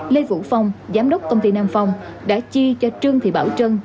lê vũ phong giám đốc công ty nam phong đã chi cho trương thị bảo trân